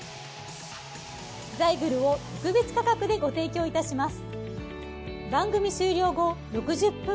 ザイグルを特別価格でご提供いたします。